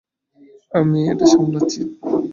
আমি এটা সামলাচ্ছি।